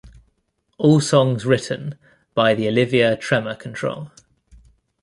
All songs written by The Olivia Tremor Control.